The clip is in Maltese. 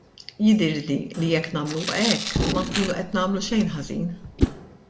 Jidhirli li jekk nagħmluha hekk ma nkunu qed nagħmlu xejn ħażin.